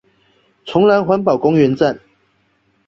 崇蘭環保公園站